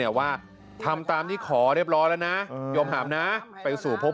ไม่อยากจะคิดสงสารไม่อยากจะคิดสงสารคุณหรอก